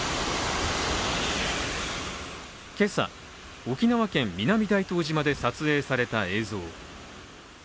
今朝、沖縄県南大東島で撮影された映像。